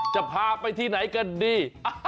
จะพาไปที่ไหนกันดี